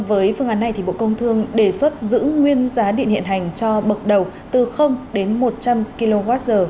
với phương án này bộ công thương đề xuất giữ nguyên giá điện hiện hành cho bậc đầu từ đến một trăm linh kwh